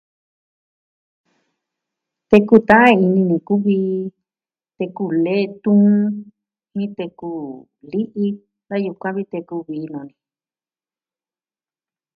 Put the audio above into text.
Teku ta'an ini ni kuvi teku lee tuun ni teku li'i. Da yukuan vi teku vii nuu ni.